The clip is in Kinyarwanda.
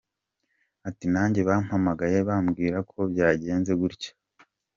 Ati “Nanjye bampamagaye babimbwira ko byagenze gutyo.